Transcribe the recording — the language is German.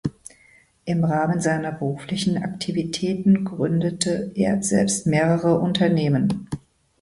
Im Rahmen seiner beruflichen Aktivitäten gründete er selbst mehrere Unternehmen.